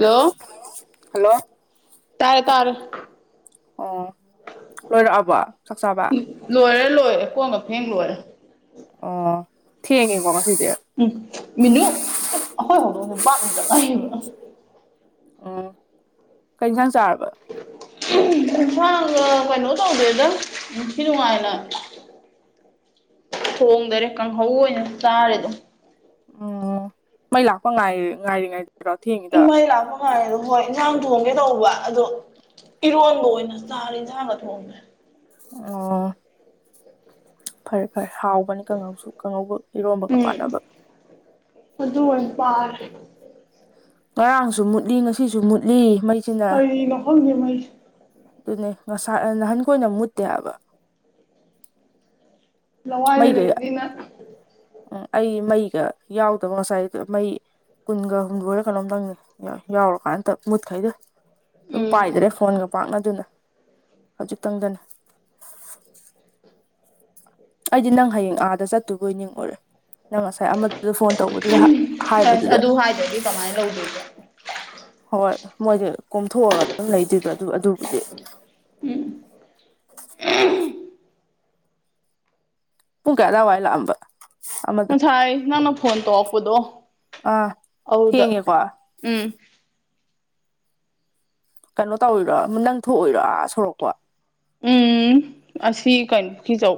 Hello hello ꯇꯥꯔꯦ ꯇꯥꯔꯦ ꯑꯣ ꯂꯣꯏꯔꯛꯑꯕꯣ ꯆꯥꯛ ꯆꯥꯕ ꯂꯣꯏꯔꯦ ꯂꯣꯏꯔꯦ ꯀꯣꯟꯒꯐꯦꯡ ꯂꯣꯏꯔꯦ ꯑꯣ ꯊꯦ ꯀ ꯀꯁꯤꯗ ꯎꯝ ꯃꯤꯅꯨ ꯑꯩꯈꯣꯏ ꯍꯧꯗꯣꯡ [unintelligible] ꯑꯣ ꯀꯩꯟꯁꯥꯡ ꯆꯥꯔꯕ [unintelligible] ꯀꯩꯅꯣ ꯇꯧꯗꯦꯗ ꯅꯤꯡꯊꯤ ꯅꯨꯡꯉꯥꯏꯅ ꯊꯣꯡꯗꯔꯦ ꯀꯥꯡꯍꯧ ꯑꯣꯏꯅ ꯆꯥꯔꯦꯗꯨꯝ ꯎꯝ ꯃꯩ ꯂꯥꯛꯄ ꯉꯥꯏ ꯉꯥꯏꯔꯤꯉꯩꯗꯔꯣ ꯊꯦꯡꯉꯤꯗꫭ ꯃꯩ ꯂꯥꯛꯄ ꯉꯥꯏꯔ ꯍꯣꯏ ꯏꯟꯖꯥꯡ ꯊꯣꯡꯒꯦ ꯇꯧꯕ ꯑꯗꯣ ꯏꯔꯣꯟꯕ ꯑꯣꯏꯅ ꯆꯥꯔꯦ ꯌꯦꯟꯖꯥꯡꯒ ꯊꯣꯡꯗ꯭ꯔꯦ ꯑꯣ ꯐꯔꯦ ꯐꯔꯦ ꯍꯥꯎꯕꯅꯤ ꯀꯥꯡꯉꯧꯁꯨ ꯀꯥꯡꯉꯧꯒ ꯏꯔꯣꯝꯕꯒ ꯄꯥꯟꯅꯕ ꯑꯗꯨꯃ ꯄꯥꯔꯦ ꯉꯔꯥꯡꯁꯨ ꯃꯨꯠꯂꯤ ꯉꯁꯤꯁꯨ ꯃꯨꯠꯂꯤ ꯃꯩ ꯀꯔꯤ ꯃꯐꯝꯒꯤꯉꯩ ꯑꯗꯨꯅꯦ ꯉꯁꯥꯏ ꯅꯍꯥꯟ ꯀꯣꯏꯅ ꯃꯨꯠꯇꯦꯕ ꯂꯋꯥ ꯃꯩꯒ ꯍꯥꯏꯗꯂ ꯏꯅꯤꯅ ꯎꯝ ꯑꯩ ꯃꯩꯒ ꯌꯥꯎꯗꯕ ꯉꯁꯥꯏ ꯃꯩ ꯀꯨꯟꯒ ꯍꯨꯝꯗꯣꯏꯨꯔ ꯀꯩꯅꯣꯝꯇꯪꯅꯤ ꯌꯥꯎꯔꯀꯥꯟꯗ ꯃꯨꯠꯈꯩꯗ ꯑꯗꯨꯝ ꯎꯝ ꯄꯥꯏꯗ꯭ꯔꯦ ꯐꯣꯟꯒ ꯄꯥꯛꯅꯗꯨꯅ ꯍꯧꯖꯤꯛꯇꯪꯗꯅ ꯑꯩꯗꯤ ꯅꯪ ꯍꯌꯦꯡ ꯑꯥꯗ ꯆꯠꯇꯨꯕꯣꯏ ꯅꯤꯡꯉꯨꯔꯦ ꯅꯪ ꯉꯁꯥꯏ ꯑꯃꯗꯨꯗ ꯐꯣꯟ ꯇꯧꯕꯗꯨꯗ ꯑꯁ ꯍꯥꯏꯕꯗꯨꯗ ꯑꯗꯨ ꯍꯥꯏꯗ꯭ꯔꯗꯤ ꯀꯃꯥꯏꯅ ꯂꯧꯗꯣꯏꯕ ꯍꯣꯏ ꯃꯣꯏꯗꯤ ꯀꯣꯝꯊꯣꯛꯑꯒ ꯑꯗꯨꯝ ꯂꯩꯗꯣꯏꯕ ꯑꯗꯨ ꯑꯗꯨꯕꯨꯗꯤ ꯎꯝ ꯄꯨꯡ ꯀꯌꯥꯗꯥ ꯋꯥꯏ ꯂꯥꯛꯑꯝꯕ ꯑꯃꯗꯣ ꯉꯁꯥꯏ ꯅꯪꯅ ꯐꯣꯟ ꯇꯣꯛꯂꯛꯄꯗꯣ ꯑꯥ ꯑꯗꯨꯗ ꯊꯦꯡꯉꯦꯀꯣ ꯎꯝ ꯀꯩꯅꯣ ꯇꯧꯔꯤꯣꯏꯔꯥ ꯅꯪ ꯊꯣꯛꯑꯣꯏꯔꯥ ꯁꯣꯔꯛꯄ ꯎꯝ ꯑꯁꯤ ꯀꯩꯅꯣ ꯖꯧ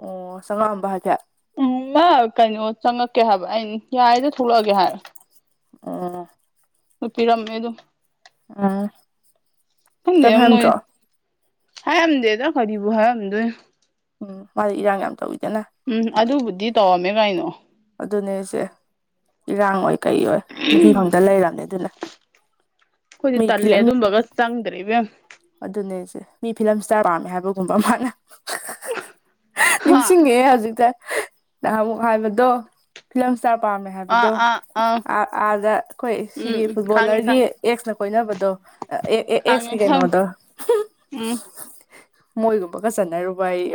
ꯑꯣ ꯆꯪꯉꯥꯑꯝꯕ ꯍꯥꯏꯐꯦꯠ ꯎꯝ ꯀꯩꯅꯣ ꯆꯪꯉꯛꯀꯦ ꯍꯥꯏꯕ ꯑ ꯌꯥꯔꯤꯗ ꯊꯣꯛꯂꯛꯑꯒꯦ ꯍꯥꯏꯕ ꯑꯣ ꯄꯤꯔꯝꯃꯦꯗ ꯎꯝ ꯀꯩꯝ ꯀꯗꯦꯝꯣꯏ ꯍꯥꯏꯔꯝꯗ꯭ꯔꯣ ꯍꯥꯏꯔꯝꯗꯦꯗꯣ ꯀꯕꯨ ꯍꯥꯏꯔꯝꯗ ꯎꯝ ꯃꯥꯗꯤ ꯏꯔꯥꯡ ꯌꯥꯝ ꯇꯧꯋꯤꯗꯅ ꯎꯝ ꯑꯗꯨꯕꯨꯗꯤ ꯇꯧꯔꯝꯃꯦ ꯀꯥꯏꯅꯣ ꯑꯗꯨꯅꯦ ꯑꯩꯁꯦ ꯏꯔꯥꯡ ꯑꯣꯏ ꯀꯩ ꯑꯣꯏ ꯅꯨꯄꯤ ꯐꯪꯗ ꯂꯩꯔꯕꯝꯅꯦ ꯑꯗꯨꯅꯦ ꯑꯩꯈꯣꯏꯗꯤ ꯇꯜꯂꯦ ꯑꯗꯨꯝꯕꯒ ꯆꯪꯗ꯭ꯔꯦ ꯏꯕꯦꯝ ꯑꯗꯨꯅꯦꯁꯦ ꯃꯤ ꯐꯤꯂꯝ ꯏꯁꯇꯥꯔ ꯄꯥꯝꯃꯦ ꯍꯥꯏꯕꯒꯨꯝꯕ ꯃꯥꯅ ꯍꯥ ꯅꯤꯡꯁꯤꯡꯉꯑꯦ ꯍꯧꯖꯤꯛꯁꯦ ꯅꯍꯥꯟ ꯑꯃꯨꯛ ꯍꯥꯏꯕꯗꯣ ꯐꯤꯂꯝꯁꯥ ꯄꯥꯝꯃꯦ ꯑꯥ ꯍꯥꯏꯕꯗꯣ ꯑꯥ ꯑꯥ ꯑꯥꯗ ꯑꯩꯈꯣꯏ ꯎꯝ ꯁꯤꯒꯤ ꯎꯝ ꯈꯥꯡꯉꯦ ꯐꯨꯠꯕꯣꯂꯔꯒꯤ ꯈꯥꯡꯉꯦ ꯑꯦꯛꯁꯅ ꯀꯣꯏꯅꯕꯗꯣ ꯑꯦ ꯑꯦ ꯈꯥꯡꯉꯦ ꯑꯦꯀꯤ ꯀꯩꯅꯣ ꯈꯪꯉꯦ ꯗ ꯎꯝ ꯃꯣꯏꯒꯨꯝꯕꯒ ꯆꯟꯅꯔꯨꯕ ꯑꯩ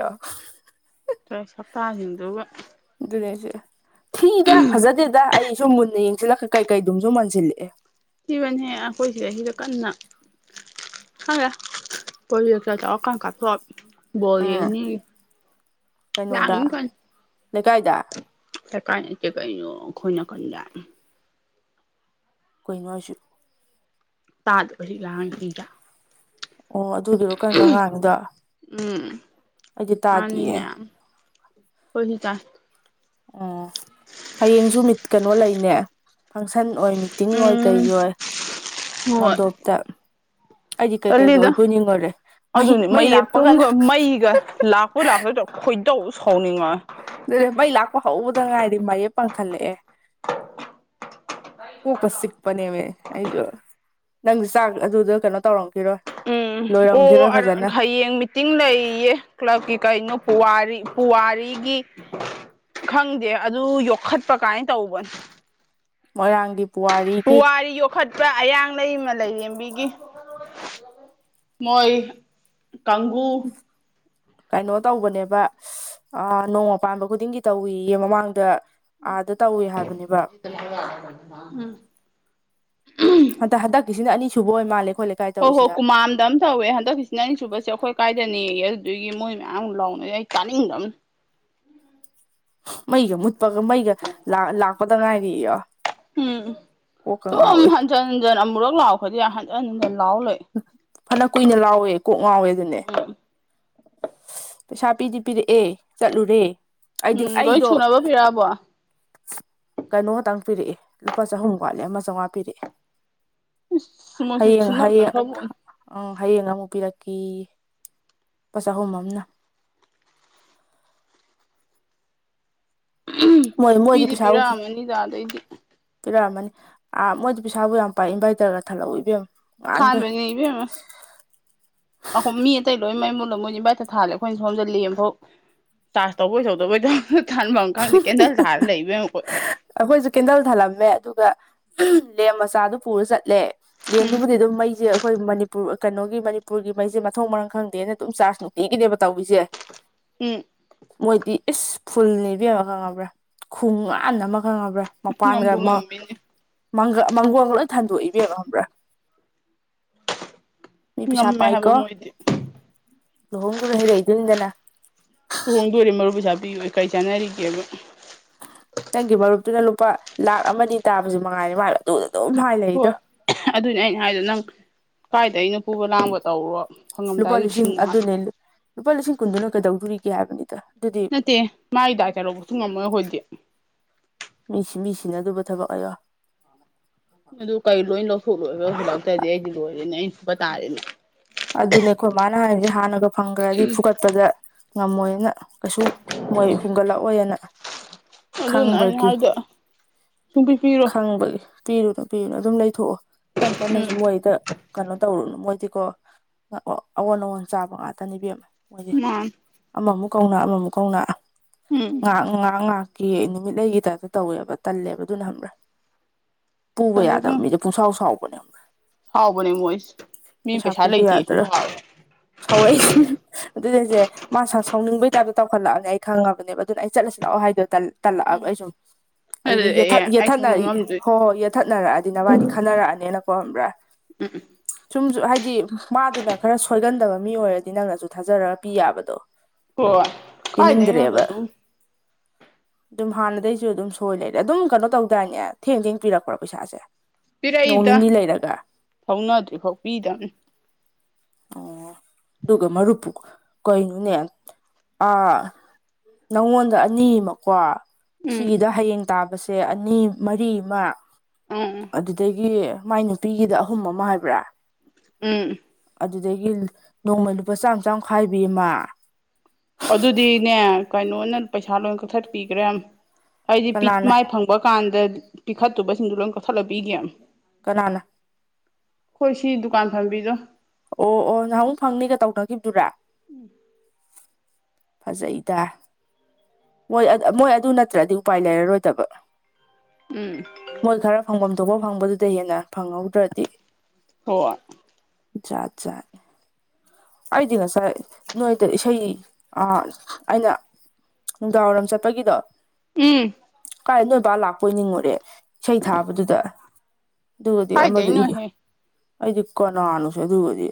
ꯁꯞꯇꯥꯁꯤꯡꯗꯨꯒ ꯑꯗꯨꯅꯦꯁꯦ ꯊꯤꯗ ꯐꯖꯗꯦꯗ ꯑꯩꯁꯨ ꯃꯨꯟꯅ ꯌꯦꯡꯁꯤꯜꯂꯛ ꯀꯩꯀꯩꯗꯨꯝꯁꯨ ꯃꯟꯁꯤꯜꯂꯛꯑꯦ ꯊꯤꯕꯅꯦꯍꯦ ꯑꯩꯈꯣꯏ ꯁꯤꯗꯩꯩ ꯁꯤꯗꯥ ꯀꯟꯅ ꯍ ꯄ ꯑꯣꯀ ꯀꯊ ꯕꯥꯜ ꯎꯝ ꯌꯦꯡꯅꯤꯌꯦ ꯀꯩꯅꯣꯗ ꯂꯥꯡꯒꯤ ꯀꯟꯅꯥ ꯂꯩꯀꯥꯏꯗ ꯁ ꯀꯥꯏ ꯅꯠꯇꯦ ꯀꯩꯅꯣ ꯑꯩꯈꯣꯏꯅ ꯀꯟꯗ ꯀꯣꯏꯅꯣ ꯑꯣꯏꯁꯨ ꯇꯥꯗꯕ ꯂꯥꯟꯗ ꯑꯣ ꯑꯗꯨꯒꯤꯔꯣ ꯀꯀ ꯉꯥꯅꯤꯗ ꯎꯝ ꯑꯩꯗꯤ ꯇꯥꯗꯦꯌꯦ ꯈꯣꯏꯗꯤ ꯆꯥꯏ ꯑꯣ ꯍꯌꯦꯡꯁꯨ ꯃꯤꯠ ꯀꯩꯅꯣ ꯂꯩꯅꯦ ꯐꯪꯁꯟ ꯑꯣꯏ ꯃꯤꯠ ꯇꯤꯡ ꯑꯣꯏ ꯎꯝ ꯀꯩꯒꯤ ꯑꯣꯏ ꯍꯣꯏ ꯃꯟꯗꯣꯞꯇ ꯑꯩꯗꯤ ꯀꯩꯀꯩꯒꯤ ꯇꯜꯂꯤꯗ ꯑꯣꯏꯕꯨꯅꯤꯡꯒꯣꯔꯦ ꯑꯗꯨꯅꯤ ꯃꯌꯦ ꯇꯨꯝꯒ ꯃꯩꯒ ꯂꯥꯛꯄꯣꯏ ꯂꯥꯛꯇꯣꯏꯗ ꯈꯣꯏꯗꯧ ꯁꯥꯎꯅꯤꯡꯉ ꯑꯗꯨꯅꯦ ꯃꯩ ꯂꯥꯛꯄ ꯍꯧꯕꯗ ꯉꯥꯏꯗꯤ ꯃꯌꯦꯛꯞ ꯄꯥꯡꯈꯠꯂꯛꯑꯦ ꯀꯣ ꯀ ꯁꯤꯛꯄꯅꯦ ꯑꯩꯁꯨ ꯅꯪꯁꯨ ꯆꯥꯛ ꯑꯗꯨꯗ ꯀꯩꯅꯣ ꯇꯧꯔꯝꯈꯤꯔꯣꯏ ꯎꯝ ꯑꯣ ꯂꯣꯏꯔꯝꯈꯤꯔꯣꯏ ꯐꯖꯅ ꯍꯌꯦꯡ ꯇꯤꯡ ꯂꯩꯌꯦꯌꯦ ꯀ꯭ꯂꯕꯀꯤ ꯀꯩꯅꯣ ꯄꯨꯋꯥꯔꯤ ꯄꯨꯋꯥꯔꯤꯒꯤ ꯈꯪꯗꯦ ꯑꯗꯨ ꯌꯣꯛꯈꯠꯄ ꯀꯥꯏꯅ ꯇꯧꯕꯅꯦ ꯃꯣꯏꯔꯥꯡꯗꯤ ꯄꯨꯋꯥꯔꯤ ꯌꯣꯛꯈꯠꯄ꯭ꯔ ꯑꯌꯥꯡ ꯂꯩꯃ ꯂꯩꯔꯦꯝꯕꯤꯒꯤ ꯃꯣꯏ ꯀꯪꯒꯨ ꯀꯩꯅꯣ ꯇꯧꯕꯅꯦꯕ ꯑ ꯅꯣꯡꯃ ꯄꯥꯟꯕ ꯈꯨꯗꯤꯡꯒꯤ ꯇꯧꯋꯦꯌꯦ ꯃꯃꯥꯡꯗ ꯑꯥꯗ ꯇꯧꯏ ꯍꯥꯏꯕꯅꯦꯕ ꯁ ꯍꯟꯗꯛ ꯍꯟꯛꯀꯤꯁꯤꯅ ꯑꯅꯤꯁꯨꯕ ꯑꯣꯏ ꯃꯥꯂꯦ ꯈꯣꯠꯂꯦ ꯑꯣꯍꯣ ꯀꯨꯃꯥꯡꯗꯝ ꯇꯧꯋꯦ ꯍꯟꯗꯛꯁꯤꯅ ꯑꯩꯅ ꯁꯨꯕꯁꯦ ꯑꯩꯈꯣꯏ ꯀꯥꯏꯗꯅꯦꯌꯦ ꯑꯗꯨꯒꯤ ꯃꯣꯏ ꯃꯌꯥꯝ ꯂꯥꯎꯅ ꯑꯩ ꯆꯥꯅꯤꯡꯗꯕ ꯃꯩꯒ ꯃꯨꯠꯄꯒ ꯃꯩꯒ ꯂꯥꯛꯄꯗ ꯉꯥꯏꯔꯤ ꯏꯔ ꯀꯣꯛꯀ ꯉꯥꯎꯋꯦ ꯍꯟ ꯍꯟ ꯑꯃꯨꯔꯛ ꯂꯥꯎꯈꯗꯤ ꯍꯟꯖꯟ ꯍꯟꯖꯤꯟ ꯂꯥꯎꯔꯥ ꯂꯩ ꯐꯅ ꯀꯨꯏꯅ ꯂꯥꯎꯋꯦ ꯀꯣꯛ ꯉꯥꯎꯋꯦ ꯑꯗꯨꯅꯦ ꯎꯝ ꯄꯩꯁꯥ ꯄꯤꯗꯤ ꯄꯤꯔꯛꯑꯦ ꯆꯠꯂꯨꯔꯦ ꯑꯩꯗꯤ ꯎꯝ ꯂꯣꯏ ꯑꯩꯗꯣ ꯁꯨꯅꯕ ꯄꯤꯔꯛꯑꯕꯣ ꯀꯩꯅꯣ ꯈꯛꯇꯪ ꯄꯤꯔꯛꯑꯦ ꯂꯨꯄꯥ ꯆꯍꯨꯝ ꯋꯥꯠꯂꯦ ꯑꯃ ꯆꯥꯝꯃꯉꯥ ꯄꯤꯔꯛꯑꯦ ꯏꯁ ꯃꯣꯏꯁꯨ ꯍꯌꯦꯡ ꯍꯌꯦꯡ ꯊꯨꯅꯞꯅꯈ꯭ꯔꯕꯣꯠꯅꯤ ꯑꯝ ꯍꯌꯦꯡ ꯑꯃꯨꯛ ꯄꯤꯔꯛꯀꯦꯌꯦ ꯂꯨꯄꯥ ꯆꯍꯨꯝ ꯑꯃꯅ ꯃꯣꯏ ꯃꯣꯏꯗꯤ ꯄꯤꯗꯤ ꯄꯤꯔꯛꯑꯝꯃꯅꯤꯗꯥ ꯑꯥꯗꯩꯗꯤ ꯄꯤꯔꯛ ꯑꯝꯃꯅꯤ ꯑꯥ ꯃꯣꯏꯗꯤ ꯄꯩꯁꯥꯕꯨ ꯌꯥꯝ ꯄꯥꯏ ꯏꯟꯚꯥꯏꯇꯔꯒ ꯊꯜꯂꯕꯨꯛ ꯂꫭꯏꯄꯤꯔꯝꯃꯦ ꯊꯥꯗꫭꯏꯅꯤ ꯏꯕꯦꯝꯃꯥ ꯑꯩꯈꯣꯏ ꯃꯤ ꯑꯇꯩ ꯂꯣꯏ ꯃꯩ ꯃꯨꯠꯂ ꯃꯣꯏꯗꯤ ꯏꯟꯕꯥꯏꯇꯔ ꯊꯥꯜꯂꯦ ꯑꯩꯈꯣꯏꯅ ꯁꯣꯝꯗꯥ ꯂꯦꯝ ꯐꯥꯎ ꯆꯥꯔꯁ ꯇꯧꯕꯣꯏ ꯇꯧꯗꯕꫭꯏ ꯊꯥꯟꯕꯝ ꯈꯪꯗꯦ ꯀꯦꯟꯗꯜ ꯊꯥꯜꯂ ꯂꯩ ꯏꯕꯦꯝꯃ ꯑꯈꫭꯏ ꯑꯩꯈꯣꯏꯁꯨ ꯀꯦꯟꯗꯜ ꯊꯜꯂꯝꯃꯦ ꯑꯗꯨꯒ ꯂꯦꯝ ꯃꯆꯥꯗꯨ ꯄꯨꯔ ꯆꯠꯂꯦ ꯎꯝ ꯂꯦꯝꯗꯨꯕꯨꯗꯤ ꯑꯗꯨꯝ ꯃꯩꯁꯦ ꯑꯩꯈꯣꯏ ꯃꯥꯅꯤ ꯀꯩꯅꯣꯒꯤ ꯃꯅꯤꯄꯨꯔꯒꯤ ꯃꯩꯁꯦ ꯃꯊꯣꯡ ꯃꯔꯝ ꯈꯪꯗꯦꯅ ꯑꯗꯨꯝ ꯆꯥꯔꯖ ꯅꯨꯡꯇꯤꯒꯤꯅꯦꯕ ꯇꯧꯔꯤꯁꯦ ꯎꯝ ꯃꯣꯏꯗꯤ ꯏꯁ ꯐꯨꯜ ꯅꯦ ꯏꯕꯦꯃꯥ ꯈꯪꯉꯕ꯭ꯔꯥ ꯈꯣꯡꯒꯥꯟ ꯑꯃ ꯈꯪꯉꯕ꯭ꯔꯥ ꯃꯄꯥꯟꯒ ꯉꯝꯕꯨ ꯉꯝꯃꯤꯅꯦ ꯃꯪꯒꯣꯜꯒ ꯂꯣꯏ ꯊꯟꯗꯣꯑ ꯈꯪꯉꯥꯕ꯭ꯔꯥ ꯃꯤ ꯄꯩꯁꯥ ꯉꯝꯃꯦ ꯍꯥꯏꯕ ꯄꯥꯏꯀꯣ ꯃꯣꯏꯗꯤ ꯂꯨꯍꯣꯡꯗꯨꯅ ꯍꯔꯛꯏꯗꯣꯏꯅꯤꯗꯅ ꯂꯨꯍꯣꯡꯗꯣꯔꯦ ꯃꯔꯨꯞ ꯄꯩꯁꯥ ꯄꯤꯌꯣ ꯀꯔꯤ ꯆꯥꯅꯔꯤꯒꯦꯕ ꯅꯪꯒꯤ ꯃꯔꯨꯞꯇꯨꯅ ꯂꯨꯄꯥ ꯂꯥꯛ ꯑꯃꯗꯤ ꯇꯥꯕꯁꯨ ꯃꯉꯥꯏꯅꯤ ꯃꯥꯥꯏꯕ ꯑꯗꯨꯗ ꯑꯗꯨꯝ ꯍꯥꯏꯅꯔꯤꯗꯣ ꯍꯣꯏ ꯑꯗꯨꯅꯦ ꯑꯩꯅ ꯍꯥꯏꯗꯣ ꯅꯪ ꯀꯥꯏꯗꯩꯅꯣ ꯄꯨꯕ ꯂꯥꯡꯕ ꯇꯧꯔꯣ ꯂꯨꯄꯥ ꯐꯪꯉꯝꯗꯥꯏꯗ ꯂꯤꯁꯤꯡ ꯁꯤꯡꯉꫭ ꯍꯥꯏ ꯑꯗꯨꯅꯦ ꯂꯨꯄꯥ ꯂꯤꯁꯤꯡ ꯀꯨꯟꯗꯨꯅ ꯀꯩꯗꯧꯗꯨꯔꯤꯒꯦ ꯍꯥꯏꯕꯅꯤꯗ ꯑꯗꯨꯗꯤ ꯅꯠꯇꯦ ꯃꯥꯒꯤꯗꯥꯏ ꯀꯩꯅꫭꯕꯨꯛꯁꯨ ꯉꯝꯃꯔꫭꯏ ꯑꯈꯣꯏꯗꯤ ꯃꯤꯁꯤ ꯃꯤꯁꯤꯅꯗꯨꯏꯕ ꯊꯕꯛ ꯑꯌꯥ ꯑꯗꯨ ꯀꯩ ꯂꯣꯏ ꯂꯧꯊꯣꯛꯂꯣꯏꯔ ꯍꯨꯜꯂꯛꯇ꯭ꯔꯗꯤ ꯑꯩꯗꯤ ꯂꯣꯏꯔꯦꯅꯦ ꯑꯩꯅ ꯐꯨꯒꯠ ꯇꯥꯔꯦꯅꯦ ꯑꯗꯨꯅꯦ ꯑꯈꯣꯏ ꯃꯥꯅ ꯍꯥꯏꯔꯤꯁꯦ ꯍꯥꯟꯅꯒ ꯐꯪꯒꯔꯗꯤ ꯐꯨꯒꯠꯄꯗ ꯉꯝꯃꯣꯏꯅ ꯀꯩꯁꯨ ꯃꯣꯏ ꯍꯨꯟꯒꯠꯂꯛꯑꯣꯏꯅ ꯑꯗꯨꯅ ꯑꯩꯅ ꯈꯪꯕꯒꯤ ꯍꯥꯏꯗꯣ ꯁꯨꯡꯄꯤ ꯄꯤꯔꯣꯏ ꯈꯪꯕꯒꯤ ꯄꯤꯔꯨꯅꯨ ꯄꯤꯔꯨꯅꯨ ꯑꯗꯨꯝ ꯂꯩꯊꯣꯛꯑꯣ ꯀꯟ ꯀꯟꯅꯁꯨ ꯎꯝ ꯃꯣꯏꯗ ꯀꯩꯅꯣ ꯇꯧꯔꯨꯅꯨ ꯃꯣꯏꯗꯤꯀꯣ ꯑꯣ ꯑꯑꯣꯟ ꯑꯑꯣꯟ ꯆꯥꯕ ꯉꯥꯛꯇꯅꯦ ꯏꯕꯦꯝꯃ ꯃꯣꯏꯗꯤ ꯃꯥꯅꯤ ꯑꯃꯃꯨꯛ ꯀꯧꯅ ꯑꯃꯃꯨꯛ ꯀꯧꯅ ꯎꯝ ꯉꯍꯥꯛ ꯉꯍꯥꯛ ꯉꯍꯥꯛꯀꯤ ꯅꯨꯃꯤꯠ ꯂꯩꯒꯤ ꯇꯥꯞꯇ ꯇꯧꯋꯦꯕ ꯇꯜꯂꯦꯕ ꯑꯗꯨꯅ ꯈꯪꯕ꯭ꯔ ꯄꯨꯕ ꯇꯜꯂꯤ ꯌꯥꯗꯕ ꯏꯕꯦꯝꯃ ꯃꯤꯗ ꯄꯨꯡꯁꯥꯎ ꯁꯥꯎꯕꯅꯦ ꯁꯥꯎꯕꯅꯦ ꯃꯣꯏꯁꯤ ꯃꯤ ꯄꯩꯁꯥ ꯄꯩꯁ ꯄꯨꯒꯦ ꯌꯥꯗ꯭ꯔꯒ ꯁꯥꯎꯔꯛꯏꯁ ꯑꯗꯨꯅ ꯑꯩꯁꯦ ꯃꯥ ꯁꯥꯎꯅꯤꯡꯕꯩ ꯇꯥꯏꯞꯇ ꯇꯧꯈꯠꯂꯛꯑꯅꯦ ꯑꯩ ꯈꯪꯉꯕꯅꯦꯕ ꯑꯗꯨꯅ ꯑꯩ ꯆꯠꯂꯁꯤ ꯂꯥꯛꯑꯣ ꯍꯥꯏꯗꫭꯏ ꯇꯜ ꯇꯜꯂꯛꯑꯕ ꯎꯝ ꯑꯩꯁꯨꯝ ꯑꯗꯨ ꯑꯗꯨꯗꯤ ꯑꯦ ꯌꯦꯠꯊꯠ ꯑꯩꯁꯨ ꯌꯦꯠꯊꯠꯅꯔꯤ ꯉꯥꯡꯉꯝꯗꯣꯏ ꯍꯣꯏ ꯌꯦꯠꯊꯠꯅꯔꯛꯑꯗꯤ ꯅꯕꯥꯟꯅꯤ ꯈꯟꯅꯔꯛꯑꯅꯤꯅ ꯄꫭꯝꯕ꯭ꯔꯥ ꯎꯝ ꯁꯨꯝꯖꯨ ꯍꯥꯏꯗꯤ ꯃꯥꯗꯨꯅ ꯈꯔ ꯁꯣꯏꯒꯟꯗꯕ ꯃꯤ ꯑꯣꯏꯔꯗꯤ ꯅꯪꯅꯁꯨ ꯊꯥꯖꯔꯒ ꯄꯤ ꯌꯥꯕꯗꯣ ꯍꯣꯏ ꯀꯥꯏꯗꯩꯅꯣꯗ ꯄꯤꯅꯤꯡꯗ꯭ꯔꯦꯕ ꯑꯗꯨꯝ ꯑꯗꯨꯝ ꯍꯥꯟꯅꯗꯩꯁꯨ ꯑꯗꯨꯝ ꯁꯣꯏ ꯂꯩꯔꯦ ꯑꯗꯨꯝ ꯀꯩꯅꯣ ꯇꯧꯗꯥꯏꯅꯦ ꯊꯦꯡ ꯊꯦꯡ ꯄꯤꯔꯛꯄꯔ ꯄꯩꯁꯥꯁꯦ ꯅꯣꯡ ꯄꯤꯔꯛꯏꯗ ꯅꯤꯅꯤ ꯂꯩꯔꯒ ꯊꯧꯅꯗ꯭ꯔꯤꯐꯥꯎ ꯄꯤꯗꯕꯅꯤ ꯑꯣ ꯑꯗꯨꯒ ꯃꯔꯨꯞꯄꯨ ꯀꯩꯅꯣꯅꯦ ꯑꯥ ꯅꯉꯣꯟꯗ ꯑꯅꯤꯃꯀꯣ ꯎꯝ ꯁꯤꯒꯤꯗ ꯍꯌꯦꯡ ꯇꯥꯕꯁꯦ ꯑꯅꯤ ꯃꯔꯤ ꯑꯃ ꯎꯝ ꯑꯗꯨꯗꯒꯤ ꯃꯥꯏ ꯅꯨꯄꯤꯒꯤꯗ ꯑꯍꯨꯝ ꯑꯃ ꯍꯥꯏꯕ꯭ꯔꯥ ꯎꯝ ꯑꯗꯨꯗꯒꯤ ꯅꯣꯡꯃꯩ ꯂꯨꯄꯥ ꯆꯥꯝꯃ ꯆꯥꯝꯃ ꯈꯥꯏꯕꯤ ꯑꯃ ꯑꯗꯨꯗꯤꯅꯦ ꯀꯩꯅꯣꯅ ꯄꯩꯁꯥ ꯂꯣꯏ ꯀꯛꯊꯠꯄꯤꯒꯦꯝ ꯑꯩꯗꯤꯄꯤꯠ ꯀꯅꯥꯅ ꯃꯥꯏꯐꯪ ꯐꯪꯕ ꯀꯥꯟꯗ ꯄꯤꯈꯠꯇꯨꯏꯕꯁꯤꯡꯗꯨ ꯂꯣꯏ ꯀꯛꯊꯠꯂꯒ ꯄꯤꯒꯤ ꯍꯥꯏꯕꯅꯩ ꯀꯅꯥꯅ ꯑꯈꫭꯏ ꯁꯤ ꯗꯨꯀꯥꯟ ꯐꯝꯕꯤꯗꯣ ꯑꯣ ꯑꯣ ꯅꯍꯥꯟꯃꯨꯛ ꯐꯪꯅꯤꯒ ꯇꯧꯅꯈꯤꯕꯗꯨꯔꯥ ꯐꯖꯩꯗ ꯃꯣꯏ ꯃꯣꯏ ꯑꯗꯨ ꯅꯠꯇ꯭ꯔꯗꯤ ꯎꯄꯥꯏ ꯂꯩꯔꯔꯣꯏꯗꯕ ꯎꯝ ꯃꯣꯏ ꯈꯔ ꯐꯪꯐꯝ ꯊꯣꯛꯄ ꯐꯪꯕꯗꯨꯗꯩ ꯍꯦꯟꯅ ꯐꯪꯍꯧꯗ꯭ꯔꯗꯤ ꯍꯣꯏ ꯖꯥꯠ ꯖꯥꯠ ꯑꯩꯗꯤ ꯉꯁꯥꯏ ꯅꯣꯏꯗ ꯏꯁꯩ ꯑꯥ ꯑꯩꯅ ꯅꯨꯡꯗꯥꯡꯋꯥꯏꯔꯝ ꯆꯠꯄꯒꯤꯗꯣ ꯎꯝ ꯀꯥꯏ ꯅꯣꯏꯕ ꯂꯥꯛꯄꯣꯏ ꯅꯤꯡꯉꯨꯔꯦ ꯏꯁꯩ ꯊꯥꯕꯗꯨꯗ ꯑꯗꯨꯒꯗꯤ ꯑꯃꯗꯨ ꯑꯩꯗꯤ ꯀꯥꯏꯗꯩꯅꯣꯍꯦ ꯑꯩꯗꯤ ꯀꯅꯥꯅꫭꯁꯦ ꯑꯗꯨꯒꯗꯤ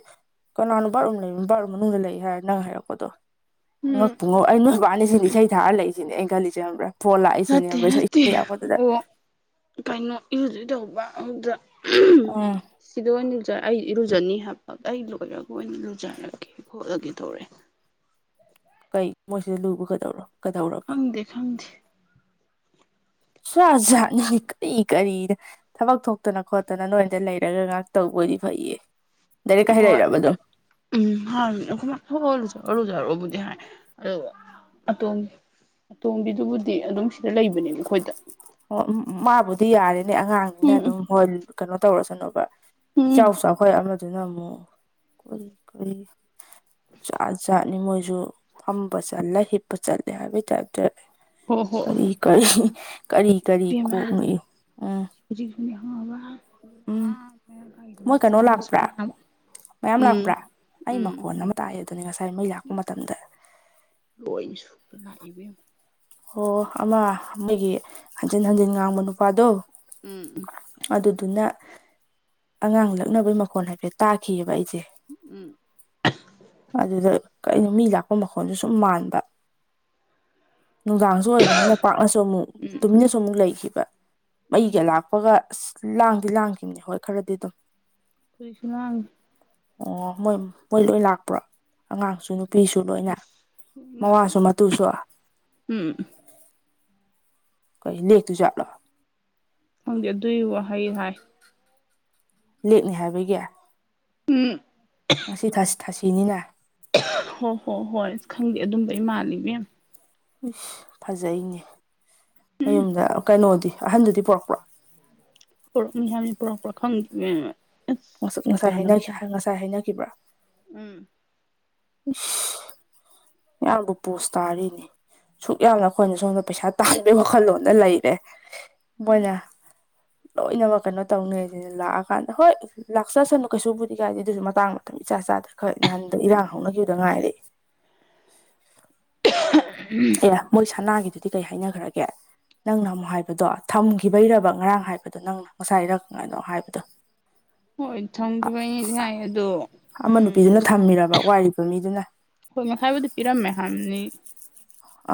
ꯀꯅꯥꯅꯣ ꯨ ꯕꯥꯠꯔꯨꯝ ꯂꯩꯕ ꯕꯥꯠꯔꯨꯝ ꯃꯅꯨꯡꯗ ꯂꯩ ꯍꯥꯏꯔꯦ ꯅꯪ ꯍꯥꯏꯔꯛꯄꯗꯣ ꯎꯝ ꯉꯛꯄꯨ ꯑꯩ ꯅꯣꯏ ꯏꯕꯥꯅꯤ ꯁꯤꯅꯦ ꯏꯁꯩ ꯊꯥꯔ ꯂꯛꯏꯁꯤꯅꯦ ꯑꯩꯅ ꯈꯜꯂꯤꯁꯦꯕ꯭ꯔꯥ ꯐꯣꯟ ꯅꯠꯇꯦ ꯂꯥꯛꯏꯁꯤꯅꯦꯕ꯭ꯔ ꯅꯠꯇꯦ ꯏꯁꯩꯄꯗꯨꯗ ꯑꯣ ꯀꯩꯅꯣ ꯏꯔꯨꯗꯣꯏ ꯇꯧꯕ ꯑꯗꯨꯗ ꯎꯝ ꯁꯤꯗ ꯑꯣꯏꯅ ꯑꯩ ꯏꯔꯨꯖꯅꯤ ꯍꯥꯏꯕ ꯑꯩ ꯂꯣꯏꯔꯒ ꯑꯣꯏꯅ ꯂꯨꯖꯔꯒꯦ ꯈꯣꯠꯂꯒꯦ ꯇꯧꯔꯛꯑꯦ ꯀꯩ ꯃꯣꯏꯁꯤ ꯂꯨꯕ ꯀꯩꯗꯧ ꯀꯩꯗꯧꯔꯕ ꯈꯪꯗꯦ ꯈꯪꯗꯦ ꯁꯖꯠ ꯖꯠꯅꯤ ꯀꯔꯤ ꯀꯔꯤꯅꫭ ꯊꯕꯛ ꯊꯣꯛꯇꯅ ꯈꯣꯠꯇꯅ ꯅꯣꯏꯗ ꯂꯩꯔꯒ ꯉꯥꯏꯍꯛꯇꯧꯕ ꯑꫭꯏꯗꯤ ꯐꯩꯌꯦ ꯗꯥꯏꯔꯦꯛ ꯀꯥ ꯍꯣꯏ ꯍꯥꯏꯂꯔꯥꯛꯏ ꯔꯕ ꯁꯨꯝ ꯎꯝ ꯍꯅꯦ ꯑꯩꯈꯣꯏ ꯃꯥ ꯐꯥꯠ ꯐꯥꯠ ꯍꯨꯖꯔꫭꯔꯨꯖꯔꯣꯕꯨꯗꯤ ꯍꯥꯏ ꯑꯗꯨꯒ ꯑꯇꯣꯝ ꯑꯇꯣꯝꯕꯤꯗꯨꯕꯨꯗꯤ ꯑꯗꯨꯝ ꯁꯤꯗ ꯂꯩꯕꯅꯦꯕ ꯑꯩꯈꯣꯏꯗ ꯑꯣ ꯃꯥꯕꯨꯗꯤ ꯌꯥꯔꯦꯅꯦ ꯑꯉꯥꯡꯅꯤꯅ ꯎꯝ ꯑꯗꯨꯝ ꯍꯣꯏ ꯀꯩꯅꯣ ꯇꯧꯔꯁꯅꯣꯕ ꯎꯝ ꯏꯆꯥꯎ ꯎꯝ ꯆꯥꯎꯈꯥꯏ ꯑꯃꯗꯨꯅ ꯑꯃꯨꯛ ꯀꯔꯤ ꯀꯔꯤ ꯖꯥꯠ ꯖꯥꯠꯅꯤ ꯃꯣꯏꯁꯨ ꯐꯝꯕ ꯆꯠꯂꯦ ꯍꯤꯞꯄ ꯆꯠꯂꯦ ꯍꯥꯏꯕꯒꯤ ꯇꯥꯏꯞꯇ ꯍꯣ ꯍꯣ ꯀꯔꯤ ꯀꯔꯤ ꯀꯔꯤ ꯀꯔꯤ ꯀꯣꯛꯅꫭ ꯎꯝ ꯍꯧꯖꯤꯛ UNINTELLIGIBLE ꯎꯝ ꯃꯣꯏ ꯀꯩꯅꯣ ꯂꯥꯛꯄ꯭ꯔꯥ ꯃꯌꯥꯝ ꯎꯝ ꯂꯥꯛꯄ꯭ꯔꯥ ꯑꯩ ꯎꯝ ꯃꯈꯣꯟ ꯑꯃ ꯇꯥꯛꯑꯦ ꯑꯗꯨꯅꯦ ꯉꯁꯥꯏ ꯃꯩ ꯂꯥꯛꯄ ꯃꯇꯝꯗ ꯂꯣꯏꯅ ꯁꯨꯅ ꯂꯥꯛꯏ ꯏꯕꯦꯝꯃ ꯑꯣ ꯑꯃ ꯃꯣꯏꯒꯤ ꯍꯟꯖꯤꯟ ꯍꯟꯖꯤꯟ ꯉꯥꯡꯕ ꯅꯨꯄꯥꯗꯣ ꯎꯝ ꯑꯗꯨꯗꯨꯅ ꯑꯉꯥꯡ ꯂꯛꯅꯕꯩ ꯃꯈꯣꯟꯜ ꯍꯥꯏꯐꯦꯠ ꯇꯥꯈꯤꯑꯦꯕ ꯑꯩꯁꯦ ꯎꯝ ꯑꯗꯨꯗ ꯀꯩꯅꯣ ꯃꯤ ꯂꯥꯛꯄ ꯃꯈꯣꯟꯁꯨ ꯁꯨꯝ ꯃꯥꯟꯕ ꯅꯨꯡꯗꯥꯡꯁꯨ ꯑꯣꯏꯕꯅꯤꯅ ꯄꯥꯛꯅꯁꯨ ꯑꯃꯨꯛ ꯎꯝ ꯇꯨꯃꯤꯟꯅꯁꯨ ꯑꯃꯨꯛ ꯂꯩꯈꯤꯕ ꯃꯩꯒ ꯎꯝ ꯂꯥꯛꯄꯒ ꯑꯁ ꯂꯥꯡꯗꯤ ꯂꯥꯡꯈꯤꯕꯅꯦ ꯍꯣꯏ ꯈꯔꯗꯤ ꯑꯗꯨꯝ ꯀꯔꯤꯁꯅꯪ ꯑꯣ ꯃꯣꯏ ꯃꯣꯏ ꯂꯣꯏ ꯂꯥꯛꯄ꯭ꯔꯣ ꯑꯉꯥꯡꯁꯨ ꯅꯨ ꯅꯨꯄꯤꯁꯨ ꯂꯣꯏꯅ ꯃꯋꯥꯁꯨ ꯂꯥꯡꯉꯤ ꯃꯇꯨꯁꯨ ꯎꯝ ꯀꯩ ꯂꯦꯛꯇꯨꯏ ꯖꯥꯠꯂꯣ ꯈꯪꯗꯦ ꯑꯗꯨꯒꯤ ꯋꯥꯍꯩ ꯍꯥꯏ ꯂꯦꯛꯅꯤ ꯍꯥꯏꯕꯒꯤ ꯎꯝ ꯉꯁꯤ ꯊꯥꯁꯤ ꯊꯥꯁꯤꯅꯤꯅ ꯍꯣ ꯍꯣ ꯍꯣꯏ ꯈꯪꯗꯦ ꯑꯗꯨꯝꯕꯩ ꯃꯥꯜꯂꯤ ꯏꯕꯦꯝꯃꯥ ꯏꯁ ꯐꯖꯩꯅꯦ ꯃꯌꯨꯝꯗ ꯀꯩꯅꯣꯗꯤ ꯑꯍꯟꯗꯨꯗꯤ ꯄꯨꯔꯛꯄ꯭ꯔꯣ ꯄꯔꯛꯅꯤ ꯍꯥꯏꯕꯅꯤ ꯄꯔꯛꯄꯔ ꯄ꯭ꯔꯈꯪꯗꯦ ꯏꯕꯦꯝꯃꯥ ꯋꯁꯥꯛ ꯉꯁꯥꯏ ꯍꯥꯏꯅꯩ ꯉꯁꯥꯏ ꯍꯥꯏꯅꯈꯤꯕ꯭ꯔꯥ ꯎꯝ ꯏꯁ ꯃꯌꯥꯝꯗꯨ ꯄꯣꯁ ꯇꯥꯔꯤꯅꯤ ꯁꯨꯛ ꯌꯥꯝꯅ ꯑꯩꯈꯣꯏꯅ ꯁꯣꯝꯗ ꯄꯩꯁꯥ ꯇꯥꯟꯕꯒꯤ ꯋꯥꯈꯜꯂꯣꯟꯗ ꯂꯩꯔꯦ ꯎꯝ ꯃꯣꯏꯅ ꯂꯣꯏꯅꯃꯛ ꯀꯩꯅꯣ ꯇꯧꯅꯩꯁꯤꯗ ꯂꯥꯛꯑꯀꯥꯟꯗ ꯍꯣꯏ ꯂꯥꯛꯆꯁꯅꯨ ꯀꯩꯁꯨꯕꯨꯗꯤ ꯀꯥꯏꯗꯦ ꯑꯗꯨꯁꯨ ꯃꯇꯥꯡ ꯃꯇꯝ ꯏꯆꯥ ꯆꯥꯗ꯭ꯔ ꯈꯔ ꯅꯍꯥꯟꯗ ꯏꯔꯥꯡ ꯍꯧꯅꯈꯤꯕꯗ ꯉꯥꯏꯔꯦ [unintelligible] ꯎꯝ ꯑꯦ ꯃꯣꯏ ꯁꯅꯥꯒꯤꯗꯨꯗꯤ ꯀꯩ ꯍꯥꯏꯅꯈ꯭ꯔꯒꯦ ꯅꯪꯅ ꯑꯃꯨꯛ ꯍꯥꯏꯕꯗꯣ ꯊꯝꯈꯤꯕꯩꯔꯕ ꯉꯔꯥꯡ ꯍꯥꯏꯕꯗꯣ ꯅꯪꯅ ꯉꯁꯥꯏꯔꯛ ꯀꯥꯏꯅꯣ ꯍꯥꯏꯕꯗꯣ ꯍꯣꯏ ꯊꯝꯈꯤꯕꯒꯤꯅꯦ ꯗꯤ ꯍꯥꯏꯌꯦ ꯑꯗꯣ ꯑꯃ ꯎꯝ ꯅꯨꯄꯤꯗꯨꯅ ꯊꯝꯃꯤꯔꯕ ꯋꯥꯏꯔꯤꯕ ꯃꯤꯗꯨꯅ ꯍꯣꯏ ꯃꯈꯥꯏꯕꯨꯗꯤ ꯄꯤꯔꯝꯃꯦ ꯍꯥꯏꯕꯅꯤ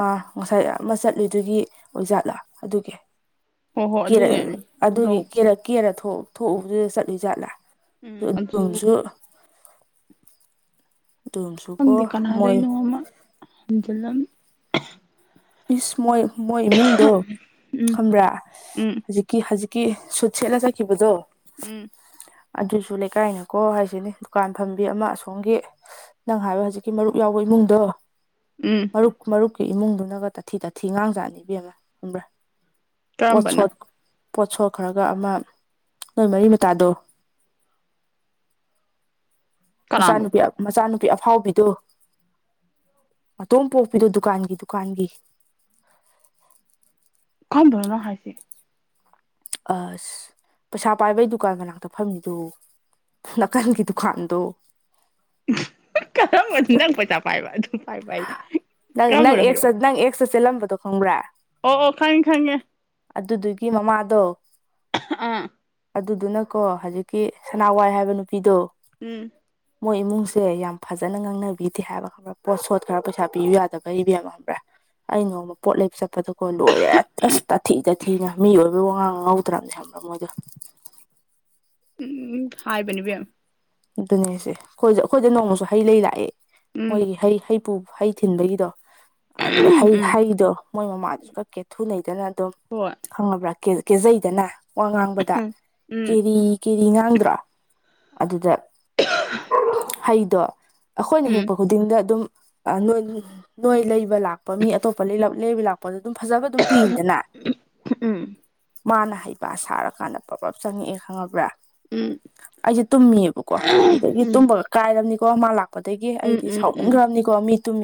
ꯑꯥ ꯉꯁꯥꯏ ꯑꯃ ꯆꯠꯂꯨꯗꯨꯒꯤ ꯑꯣꯏꯖꯥꯠꯂꯣ ꯑꯗꯨꯒꯤ ꯍꯣꯏ ꯍꯣꯏ ꯑꯗꯨ ꯀꯦꯔ ꯑꯣꯏꯔꯝꯅꯤ ꯑꯗꯨ ꯑꯗꯨꯒꯤ ꯂꯧ ꯀꯦꯔ ꯀꯦꯔ ꯊꯣꯛꯎꯕꯗꯨꯗ ꯆꯠꯂꯨꯏ ꯖꯥꯠꯂꯥ ꯎꯝ ꯑꯗꯨꯗ ꯑꯗꯨꯝꯁꯨ ꯑꯗꯨꯝꯁꯨꯀꯣ ꯈꯪꯗꯦ ꯃꯣꯏ ꯀꯅꯥꯗꯣꯏꯅꯣꯃ ꯍꯟꯖꯤꯜꯂꯝ ꯏꯁ ꯃꯣꯏ ꯃꯣꯏ ꯏꯃꯨꯡꯗꯣ ꯎꯝ ꯈꯝꯕ꯭ꯔꯥ ꯎꯝ ꯍꯧꯖꯤꯛ ꯀꯤ ꯍꯧꯖꯤꯛꯀꯤ ꯁꯨꯠ ꯁꯦꯠꯂꯥ ꯆꯠꯈꯤꯕꯗꯣ ꯎꯝ ꯑꯗꯨꯁꯨ ꯂꯩꯀꯥꯏꯅꯀꯣ ꯍꯥꯏꯁꯤꯅꯦ ꯗꯨꯀꯥꯟ ꯐꯝꯕꯤ ꯑꯃ ꯑꯁꯣꯝꯒꯤ ꯅꯪ ꯍꯥꯏꯕꯣ ꯍꯧꯖꯤꯛꯀꯤ ꯃꯔꯨꯞ ꯌꯥꯎꯕ ꯏꯃꯨꯡꯗꯣ ꯎꯝ ꯃꯔꯨꯞ ꯃꯔꯨꯞꯀꯤ ꯏꯃꯨꯡꯗꯨꯅꯒ ꯇꯥꯊꯤ ꯇꯥꯊꯤ ꯉꯥꯡꯖꯥꯠꯅꯤꯕꯤ ꯑꯃ ꯈꯪꯕ꯭ꯔꯥ ꯀꯔꯝꯕꯅ ꯄꯣꯠꯁꯣꯠ ꯄꯣꯠꯁꯣꯠ ꯈꯔꯒ ꯑꯃ ꯅꯣꯏ ꯃꯔꯤ ꯃꯇꯥꯗꯣ ꯀꯅꯥꯅꯣ ꯍꯁꯅꯨꯄꯤꯌꯥ ꯃꯆꯥꯅꯨꯄꯤ ꯑꯐꯥꯎꯕꯤꯗꯨꯣ ꯑꯣꯝ ꯄꯣꯛꯄꯤꯗꯣ ꯗꯨꯀꯥꯟꯒꯤ ꯗꯨꯀꯥꯟꯒꯤ ꯀꯝ ꯙꯔꯅ ꯍꯥꯏꯥꯏꯁꯤ ꯑꯁ ꯄꯩꯁꯥ ꯄꯥꯏꯕꯩ ꯗꯨꯀꯥꯟ ꯀꯅꯥꯛꯇ ꯐꯝꯅꯤꯗꯨ ꯅꯥꯀꯟꯒꯤ ꯗꯨꯀꯥꯟꯗꯣ ꯀꯔꯝꯕ ꯇꯪ ꯄꯩꯁꯥ ꯄꯥꯏꯕ ꯑꯗꯨꯝ ꯄꯥꯏꯕ ꯍꯥꯏ ꯅꯪ ꯅꯪ ꯀꯔꯝꯕꯅꯣ ꯑꯦꯛꯁ ꯍꯥꯏꯔꯛꯑꯣ ꯅꯪ ꯑꯦꯛꯁꯇ ꯆꯦꯜꯂꯝꯕꯗꯣ ꯈꯪꯕ꯭ꯔꯥ ꯑꯣ ꯑꯣ ꯈꯪꯉꯦ ꯈꯪꯉꯦ ꯑꯗꯨꯗꯨꯒꯤ ꯃꯃꯥꯗꯣ ꯑꯥ ꯑꯗꯨꯗꯨꯅꯀꯣ ꯍꯧꯖꯤꯛꯀꯤ ꯁꯅꯥꯋꯥꯏ ꯍꯥꯏꯕ ꯅꯨꯄꯤꯗꯣ. ꯎꯝ ꯃꯣꯏ ꯏꯃꯨꯡꯁꯦ ꯌꯥꯝ ꯐꯖꯅ ꯉꯥꯡꯅꯕꯤꯗꯦ ꯍꯥꯏꯕ ꯈꯪꯪꯂꯛꯄ ꯄꯣꯠ ꯁꯣꯠ ꯈꯔ ꯄꯩꯁꯥ ꯄꯤꯌꯨ ꯌꯥꯗꯕ ꯏꯕꯦꯝꯃꯕ꯭ꯔꯥ ꯑꯩ ꯅꯣꯡꯃ ꯄꯣꯠ ꯂꯩꯕ ꯆꯠꯄꯗꯨ ꯍꯣꯏ ꯂꯣꯏꯔꯦ ꯑꯁ ꯇꯥꯊꯤ ꯇꯥꯊꯤꯅ ꯃꯤ ꯑꯣꯏꯕ ꯋꯥꯉꯥꯡ ꯉꯧꯗ꯭ꯔꯕꯅꯦ ꯍꯥꯏꯕ꯭ꯔꯥ ꯃꯣꯏꯗꯣ ꯎꯝ ꯍꯥꯏꯕꯅꯦꯕꯦꯝ ꯑꯗꯨꯅꯦꯁꯦ ꯑꯩꯈꯣꯏꯗ ꯑꯩꯈꯣꯏꯗ ꯅꯣꯡꯃꯁꯨ ꯍꯩ ꯂꯩ ꯂꯥꯛꯑꯦ ꯎꯝ ꯃꯣꯏꯒꯤ ꯍꯩ ꯍꯩ ꯄꯨ ꯍꯩ ꯊꯤꯟꯕꯒꯤꯗꯣ ꯑꯗꯨꯗ ꯍꯩ ꯎꯝ ꯍꯩꯗꯣ ꯃꯣꯏ ꯃꯃꯥꯗꯨꯁꯨ ꯀꯛꯀꯦ ꯊꯨꯅꯩꯗꯅ ꯑꯗꯨꯝ ꯍꯣꯏ ꯈꯪꯉꯕ꯭ꯔꯥ ꯀꯦꯖꯩꯗꯅ ꯋꯥ ꯉꯥꯡꯕꯗ ꯎꯝ ꯎꯝ ꯀꯦꯔꯤ ꯀꯦꯔꯤ ꯉꯥꯡꯗ꯭ꯔꯣ ꯑꯗꯨꯗ ꯍꯩꯗꯣ ꯑꯩꯈꯣꯏꯅ ꯎꯝ ꯍꯦꯛꯄ ꯈꯨꯗꯤꯡꯗ ꯑꯗꯨꯝ ꯅꯣꯏ ꯂꯩꯕ ꯂꯥꯛꯄ ꯃꯤ ꯑꯇꯣꯞꯄ ꯂꯩꯕ ꯂꯥꯛꯄ ꯗ ꯑꯗꯨꯝ ꯐꯖꯕ ꯑꯗꯨꯝ ꯄꯤꯗꯅ ꯎꯝ ꯃꯥꯅ ꯍꯩꯕ ꯁꯥꯔꯀꯥꯟꯗ ꯄꯞꯂꯞ ꯆꯪꯉꯛꯑꯦ ꯈꯪꯉꯕ꯭ꯔꯥ ꯎꯝ ꯑꯩꯁꯦ ꯇꯨꯝꯃꯤꯕꯀꯣ ꯀꯣ ꯑꯗꯨꯗꯒꯤ ꯎꯝ ꯇꯨꯝꯕꯒ ꯀꯥꯏꯔꯕꯅꯤꯀꯣ ꯃꯥ ꯂꯥꯛꯄꯗꯒꯤ ꯎꯝ ꯑꯩꯗꯤ ꯎꯝ ꯎꯝ ꯁꯥꯎꯟꯈ꯭ꯔꯕꯅꯤꯀꯣ ꯃꯤ ꯇꯨꯝꯃꯤ